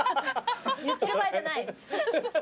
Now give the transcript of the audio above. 言ってる場合じゃない？